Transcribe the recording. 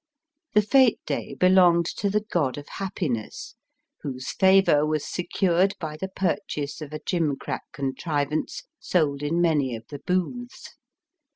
The fete day belonged to the God of Happi ness, whose favour was secured by the pur chase of a gimcrack contrivance sold in many of the booths.